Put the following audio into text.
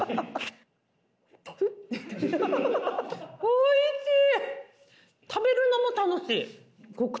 おいしい！